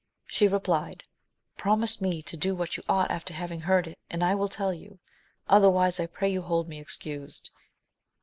She replied, Promise me to do what you ought after having heard it, and I will tell you ; otherwise, I pray you hold me excused.